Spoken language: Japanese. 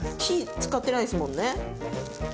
火使ってないですもんね。